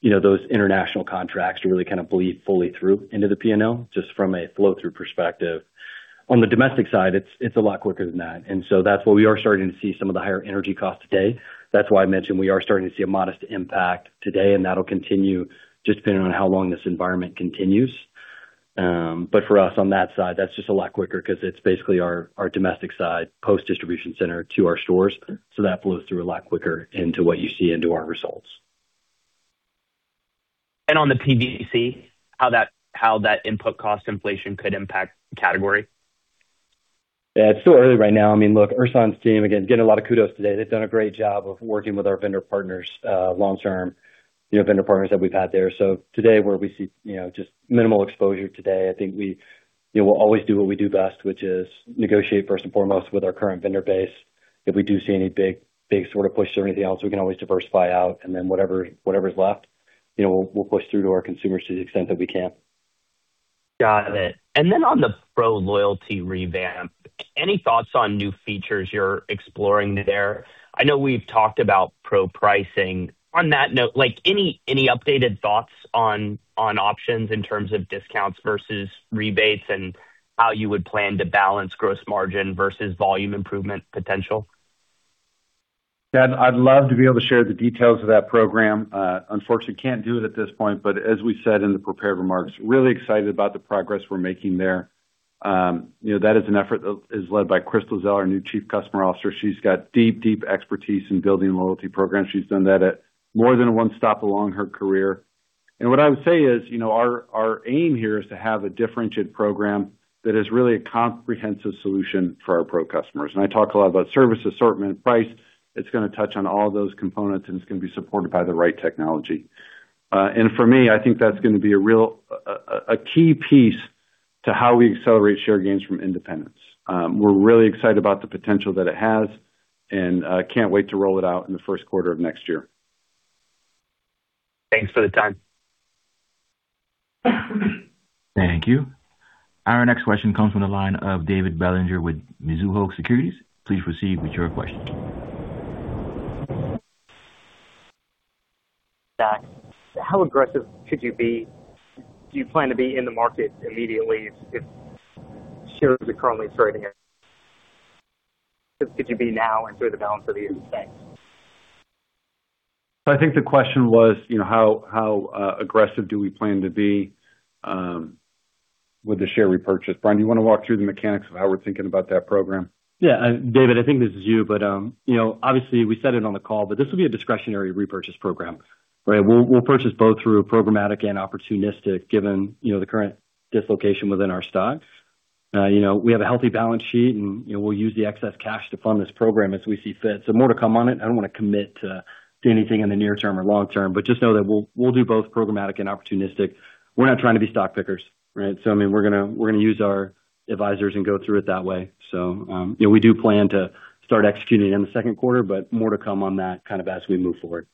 you know, those international contracts to really kind of bleed fully through into the P&L, just from a flow through perspective. On the domestic side, it's a lot quicker than that. That's why we are starting to see some of the higher energy costs today. That's why I mentioned we are starting to see a modest impact today, and that'll continue just depending on how long this environment continues. For us, on that side, that's just a lot quicker 'cause it's basically our domestic side post distribution center to our stores. That flows through a lot quicker into what you see into our results. On the PVC, how that input cost inflation could impact the category? Yeah. It's still early right now. I mean, look, Ersan's team, again, getting a lot of kudos today. They've done a great job of working with our vendor partners, long term, you know, vendor partners that we've had there. Today, where we see, you know, just minimal exposure today, I think we, you know, we'll always do what we do best, which is negotiate first and foremost with our current vendor base. If we do see any big sort of push or anything else, we can always diversify out. Then whatever's left, you know, we'll push through to our consumers to the extent that we can. Got it. On the pro loyalty revamp, any thoughts on new features you're exploring there? I know we've talked about pro pricing. On that note, like, any updated thoughts on options in terms of discounts versus rebates and how you would plan to balance gross margin versus volume improvement potential? Zach, I'd love to be able to share the details of that program. Unfortunately, can't do it at this point, but as we said in the prepared remarks, really excited about the progress we're making there. You know, that is an effort that is led by Krystal Zell, our new Chief Customer Officer. She's got deep, deep expertise in building loyalty programs. She's done that at more than one stop along her career. What I would say is, you know, our aim here is to have a differentiated program that is really a comprehensive solution for our pro customers. I talk a lot about service assortment, price. It's gonna touch on all those components, and it's gonna be supported by the right technology. For me, I think that's gonna be a real. A key piece to how we accelerate share gains from independents. We're really excited about the potential that it has and can't wait to roll it out in the first quarter of next year. Thanks for the time. Thank you. Our next question comes from the line of David Bellinger with Mizuho Securities. Please proceed with your question. Zach, how aggressive could you be? Do you plan to be in the market immediately if shares are currently trading at? Could you be now and through the balance of the year the same? I think the question was, you know, how aggressive do we plan to be with the share repurchase. Bryan, do you wanna walk through the mechanics of how we're thinking about that program? Yeah. David, I think this is you, but, you know, obviously, we said it on the call, but this will be a discretionary repurchase program, right? We'll purchase both through programmatic and opportunistic, given, you know, the current dislocation within our stocks. You know, we have a healthy balance sheet, and, you know, we'll use the excess cash to fund this program as we see fit. More to come on it. I don't wanna commit to do anything in the near term or long term, but just know that we'll do both programmatic and opportunistic. We're not trying to be stock pickers, right? I mean, we're gonna use our advisors and go through it that way. You know, we do plan to start executing in the second quarter, but more to come on that kind of as we move forward.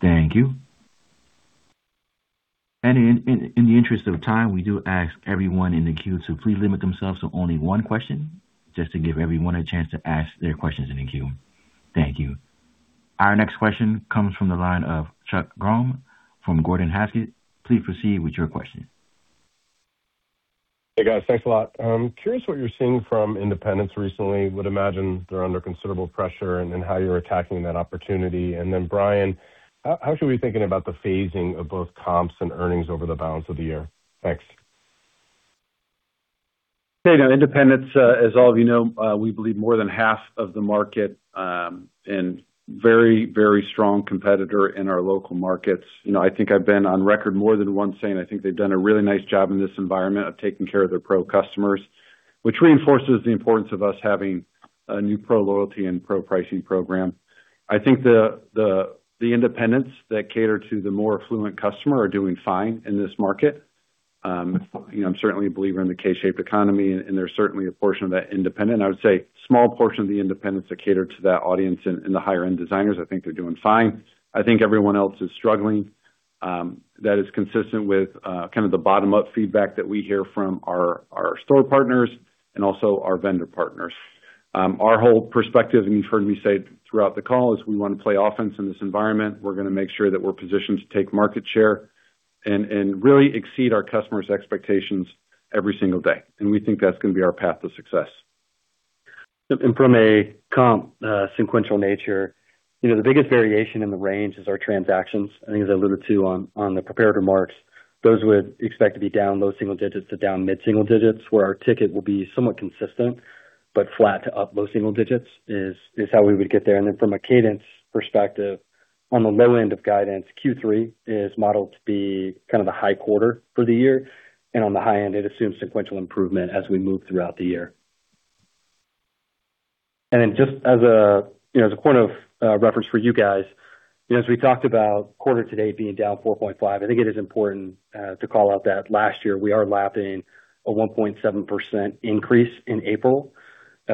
Thank you. In the interest of time, we do ask everyone in the queue to please limit themselves to only one question, just to give everyone a chance to ask their questions in the queue. Thank you. Our next question comes from the line of Chuck Grom from Gordon Haskett. Please proceed with your question. Hey, guys. Thanks a lot. I'm curious what you're seeing from independents recently. Would imagine they're under considerable pressure, and then how you're attacking that opportunity. Bryan, how should we be thinking about the phasing of both comps and earnings over the balance of the year? Thanks. Hey, Dan. Independents, as all of you know, we believe more than half of the market, and very, very strong competitor in our local markets. You know, I think I've been on record more than once saying I think they've done a really nice job in this environment of taking care of their pro customers, which reinforces the importance of us having a new pro loyalty and pro pricing program. I think the independents that cater to the more affluent customer are doing fine in this market. You know, I'm certainly a believer in the K-shaped economy, and there's certainly a portion of that independent. I would say small portion of the independents that cater to that audience and the higher-end designers, I think they're doing fine. I think everyone else is struggling. That is consistent with kind of the bottom-up feedback that we hear from our store partners and also our vendor partners. Our whole perspective, and you've heard me say it throughout the call, is we wanna play offense in this environment. We're gonna make sure that we're positioned to take market share and really exceed our customers' expectations every single day, and we think that's gonna be our path to success. From a comp, sequential nature, you know, the biggest variation in the range is our transactions. I think, as I alluded to on the prepared remarks, those would expect to be down low single digits to down mid-single digits, where our ticket will be somewhat consistent, but flat to up low single digits is how we would get there. Then from a cadence perspective, on the low end of guidance, Q3 is modeled to be kind of the high quarter for the year, and on the high end, it assumes sequential improvement as we move throughout the year. Just as a, you know, as a point of reference for you guys, you know, as we talked about quarter today being down 4.5, I think it is important to call out that last year we are lapping a 1.7% increase in April,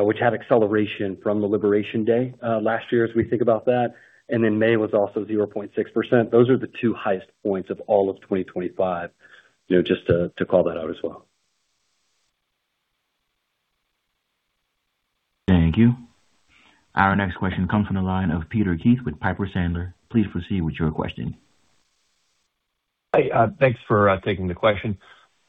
which had acceleration from the Liberation Day last year, as we think about that. May was also 0.6%. Those are the two highest points of all of 2025, you know, just to call that out as well. Thank you. Our next question comes from the line of Peter Keith with Piper Sandler. Please proceed with your question. Hey. Thanks for taking the question.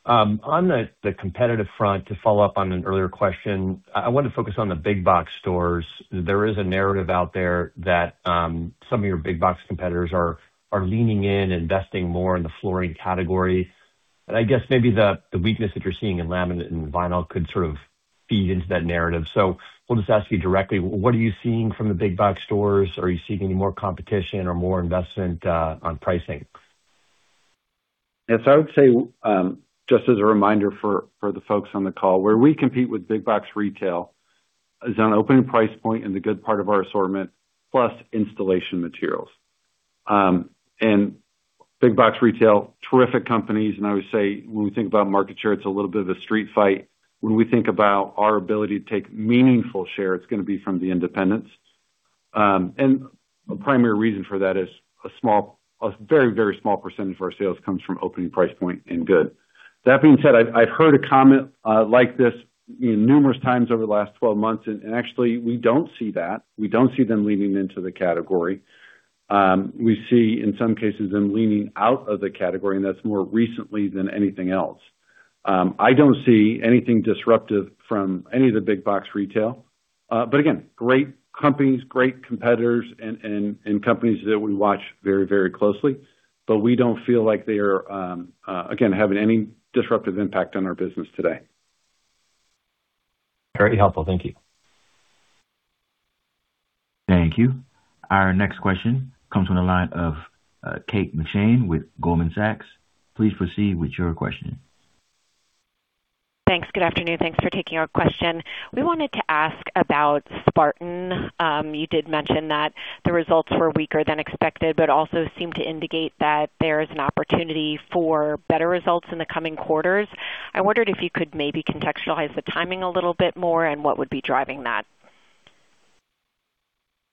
On the competitive front, to follow up on an earlier question, I wanna focus on the big box stores. There is a narrative out there that some of your big box competitors are leaning in, investing more in the flooring category. I guess maybe the weakness that you're seeing in laminate and vinyl could sort of feed into that narrative. We'll just ask you directly, what are you seeing from the big box stores? Are you seeing any more competition or more investment on pricing? Yes, I would say, just as a reminder for the folks on the call, where we compete with big box retail is on opening price point and the good part of our assortment, plus installation materials. Big box retail, terrific companies, and I would say when we think about market share, it's a little bit of a street fight. When we think about our ability to take meaningful share, it's gonna be from the independents. The primary reason for that is a very, very small percentage of our sales comes from opening price point and good. That being said, I've heard a comment like this numerous times over the last 12 months. Actually, we don't see that. We don't see them leaning into the category. We see, in some cases, them leaning out of the category, and that's more recently than anything else. I don't see anything disruptive from any of the big box retail. Again, great companies, great competitors and companies that we watch very, very closely, but we don't feel like they are, again, having any disruptive impact on our business today. Very helpful. Thank you. Thank you. Our next question comes from the line of Kate McShane with Goldman Sachs. Please proceed with your question. Thanks. Good afternoon. Thanks for taking our question. We wanted to ask about Spartan. You did mention that the results were weaker than expected, but also seemed to indicate that there is an opportunity for better results in the coming quarters. I wondered if you could maybe contextualize the timing a little bit more and what would be driving that.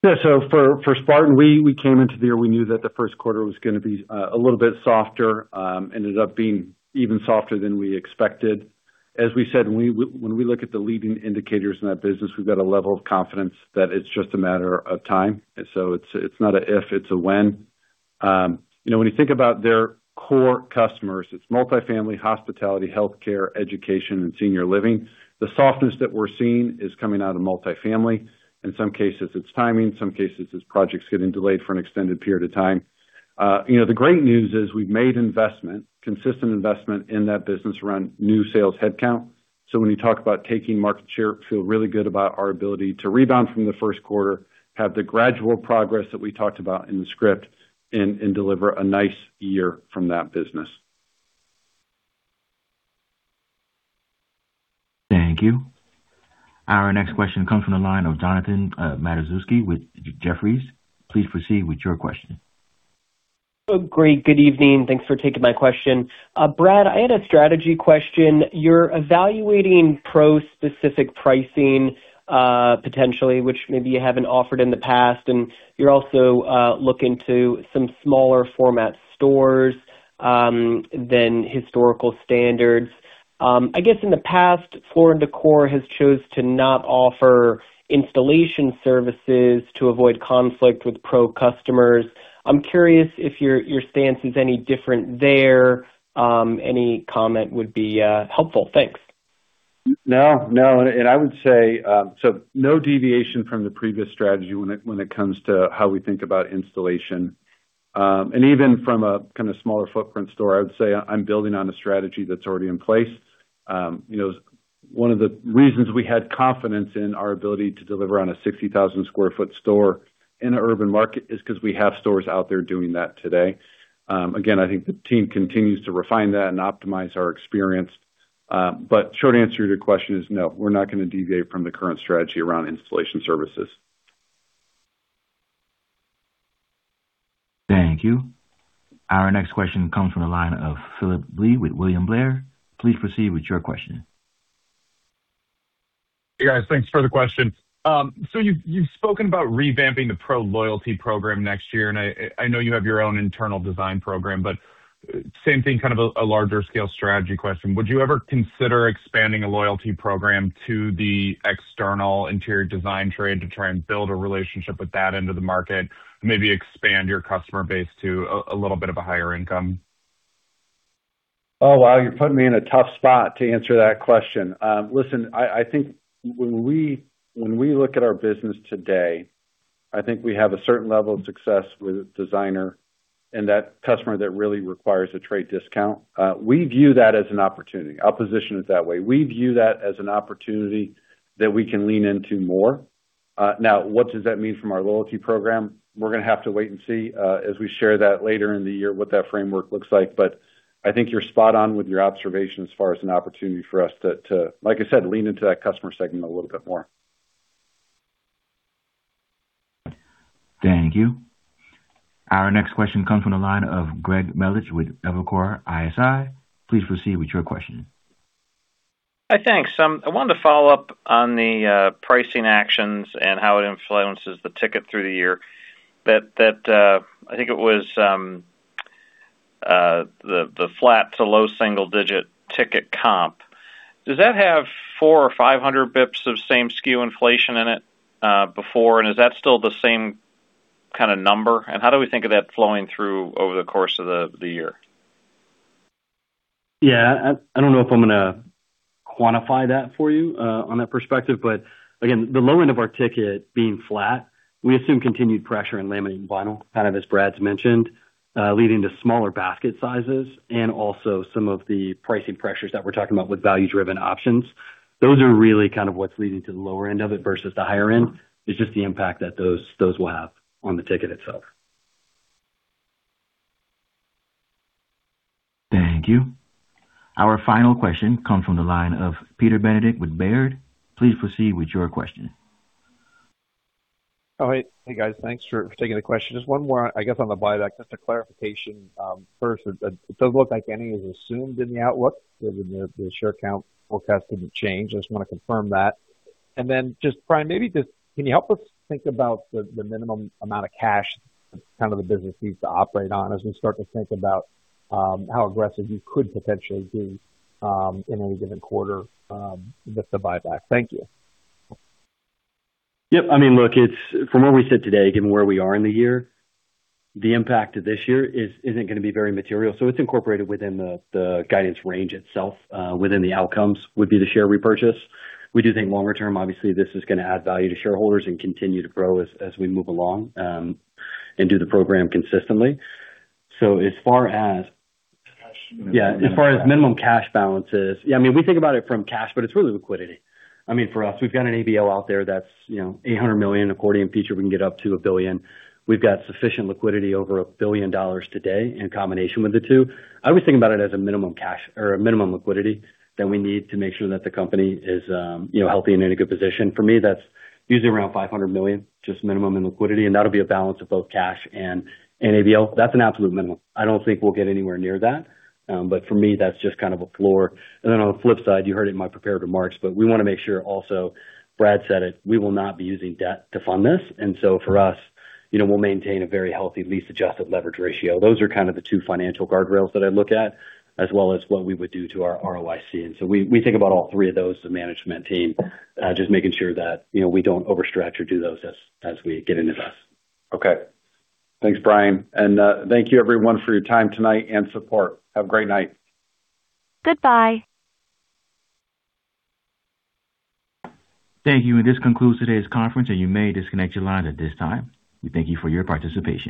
Yeah. For Spartan, we came into the year, we knew that the first quarter was going to be a little bit softer. Ended up being even softer than we expected. As we said, when we look at the leading indicators in that business, we've got a level of confidence that it's just a matter of time. It's not a if, it's a when. You know, when you think about their core customers, it's multifamily, hospitality, healthcare, education, and senior living. The softness that we're seeing is coming out of multifamily. In some cases, it's timing. In some cases, it's projects getting delayed for an extended period of time. You know, the great news is we've made investment, consistent investment in that business around new sales headcount. When you talk about taking market share, feel really good about our ability to rebound from the first quarter, have the gradual progress that we talked about in the script and deliver a nice year from that business. Thank you. Our next question comes from the line of Jonathan Matuszewski with Jefferies. Please proceed with your question. Great. Good evening. Thanks for taking my question. Brad, I had a strategy question. You're evaluating pro specific pricing, potentially, which maybe you haven't offered in the past, and you're also looking to some smaller format stores than historical standards. I guess in the past, Floor & Decor has chose to not offer installation services to avoid conflict with pro customers. I'm curious if your stance is any different there. Any comment would be helpful. Thanks. No, no. I would say no deviation from the previous strategy when it comes to how we think about installation. Even from a kind of smaller footprint store, I would say I'm building on a strategy that's already in place. You know, one of the reasons we had confidence in our ability to deliver on a 60,000 square foot store in an urban market is cause we have stores out there doing that today. Again, I think the team continues to refine that and optimize our experience. Short answer to your question is no, we're not gonna deviate from the current strategy around installation services. Thank you. Our next question comes from the line of Philip Lee with William Blair. Please proceed with your question. Hey, guys. Thanks for the question. You've spoken about revamping the pro loyalty program next year, and I know you have your own internal design program, but same thing, kind of a larger scale strategy question. Would you ever consider expanding a loyalty program to the external interior design trade to try and build a relationship with that end of the market, maybe expand your customer base to a little bit of a higher income? Oh, wow, you're putting me in a tough spot to answer that question. Listen, I think when we look at our business today, I think we have a certain level of success with designer and that customer that really requires a trade discount. We view that as an opportunity. I'll position it that way. We view that as an opportunity that we can lean into more. Now what does that mean from our loyalty program? We're gonna have to wait and see as we share that later in the year, what that framework looks like. I think you're spot on with your observation as far as an opportunity for us to, like I said, lean into that customer segment a little bit more. Thank you. Our next question comes from the line of Greg Melich with Evercore ISI. Please proceed with your question. Hi. Thanks. I wanted to follow up on the pricing actions and how it influences the ticket through the year. I think it was the flat to low single digit ticket comp. Does that have 400 or 500 basis points of same SKU inflation in it before? Is that still the same kind of number? How do we think of that flowing through over the course of the year? Yeah, I don't know if I'm gonna quantify that for you on that perspective. Again, the low end of our ticket being flat, we assume continued pressure in laminate and vinyl, kind of as Brad's mentioned, leading to smaller basket sizes and also some of the pricing pressures that we're talking about with value-driven options. Those are really kind of what's leading to the lower end of it versus the higher end. It's just the impact that those will have on the ticket itself. Thank you. Our final question comes from the line of Peter Benedict with Baird. Please proceed with your question. Oh, hey. Hey, guys, thanks for taking the question. Just one more, I guess, on the buyback, just a clarification. First, it does look like any is assumed in the outlook given the share count forecast didn't change. I just wanna confirm that. Then just, Bryan, maybe just can you help us think about the minimum amount of cash kind of the business needs to operate on as we start to think about, how aggressive you could potentially be, in any given quarter, with the buyback? Thank you. Yep. I mean, look, from where we sit today, given where we are in the year, the impact of this year isn't gonna be very material. It's incorporated within the guidance range itself, within the outcomes would be the share repurchase. We do think longer term, obviously, this is gonna add value to shareholders and continue to grow as we move along and do the program consistently. Cash. Yeah, as far as minimum cash balances. Yeah, I mean, we think about it from cash, but it's really liquidity. I mean, for us, we've got an ABL out there that's, you know, $800 million accordion feature, we can get up to $1 billion. We've got sufficient liquidity over $1 billion today in combination with the two. I always think about it as a minimum cash or a minimum liquidity that we need to make sure that the company is, you know, healthy and in a good position. For me, that's usually around $500 million, just minimum in liquidity, and that'll be a balance of both cash and ABL. That's an absolute minimum. I don't think we'll get anywhere near that. For me, that's just kind of a floor. On the flip side, you heard it in my prepared remarks, but we wanna make sure also, Bradley Paulsen said it, we will not be using debt to fund this. For us, you know, we'll maintain a very healthy lease-to-adjusted leverage ratio. Those are kind of the two financial guardrails that I look at, as well as what we would do to our ROIC. We think about all three of those, the management team, just making sure that, you know, we don't overstretch or do those as we get into this. Okay. Thanks, Bryan. Thank you everyone for your time tonight and support. Have a great night. Goodbye. Thank you. This concludes today's conference, and you may disconnect your lines at this time. We thank you for your participation.